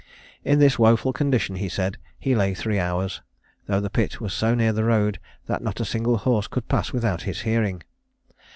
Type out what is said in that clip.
In this woful condition, he said, he lay three hours, though the pit was so near the road that not a single horse could pass without his hearing.